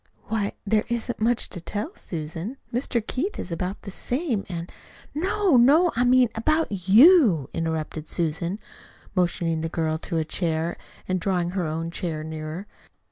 "Why, there isn't much to tell, Susan. Mr. Keith is about the same, and " "No, no, I mean about YOU" interrupted Susan, motioning the girl to a chair, and drawing her own chair nearer.